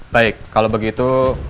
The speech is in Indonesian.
baik kalau begitu